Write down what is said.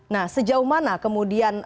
nah sejauh mana kemudian